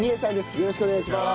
よろしくお願いします。